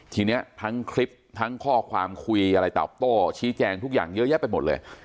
ทีนี้ทั้งคลิปทั้งข้อความคุยอะไรตอบโต้ชี้แจงทุกอย่างเยอะแยะไปหมดเลย